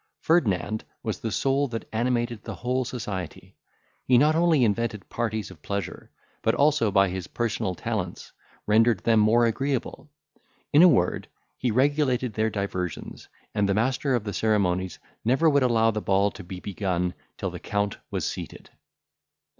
Ferdinand was the soul that animated the whole society. He not only invented parties of pleasure, but also, by his personal talents, rendered them more agreeable. In a word, he regulated their diversions, and the master of the ceremonies never would allow the ball to be begun till the Count was seated.